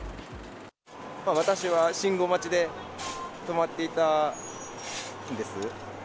私は信号待ちで止まっていたんです。